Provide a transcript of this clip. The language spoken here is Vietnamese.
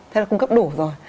thế là cung cấp đủ rồi